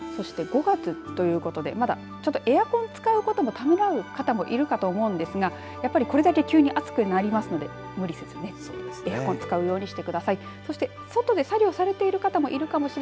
５月ということでまだエアコンを使うことをためらう方もいるかと思うんですがやっぱりこれだけ急に暑くなりますので無理せずエアコン使うようにしてください。